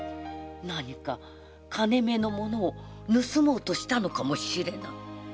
何か金目の物を盗もうとしたのかもしれない。